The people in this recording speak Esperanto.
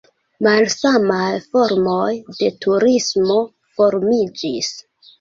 Malsamaj formoj de turismo formiĝis.